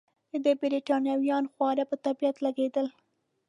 د ده بریتانویان خورا په طبیعت لګېدل.